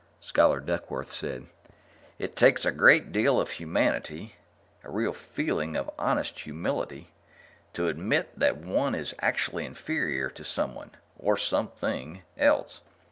Scholar Duckworth said: "It takes a great deal of humility a real feeling of honest humility to admit that one is actually inferior to someone or something else.